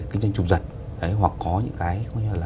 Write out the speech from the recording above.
kinh doanh trục giật hoặc có những cái